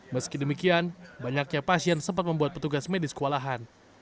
meski demikian banyaknya pasien sempat membuat petugas medis kewalahan